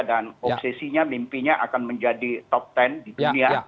dan obsesinya mimpinya akan menjadi top ten di dunia